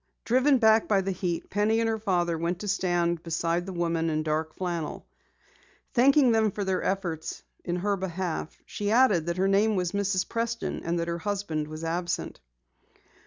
Driven back by the heat, Penny and her father went to stand beside the woman in dark flannel. Thanking them for their efforts in her behalf, she added that her name was Mrs. Preston and that her husband was absent.